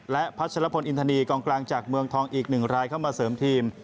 และพัชรพลอินทนีกองกลางจากเมืองทองอีก๑รายเข้ามาเสริมทีม